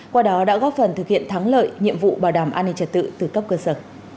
qua đó đã góp phần thực hiện thắng lợi nhiệm vụ bảo đảm an ninh trật tự từ cấp cơ sở